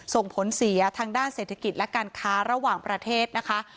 ส่งผลเสียทางด้านเศรษฐกิจและการค้าระหว่างประเทศนะคะ